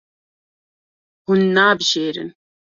Hûn nabijêrin.